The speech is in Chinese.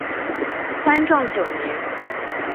宽政九年。